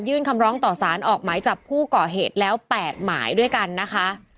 ยื่นคำร้องต่อสารออกไหมจากผู้ก่อเหตุแล้วแปดหมายด้วยกันนะคะ